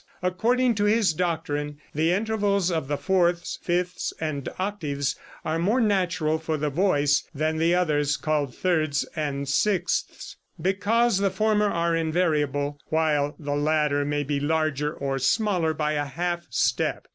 According to his doctrine, the intervals of the fourths, fifths and octaves are more natural for the voice than the others called thirds and sixths, because the former are invariable, while the latter may be larger or smaller by a half step.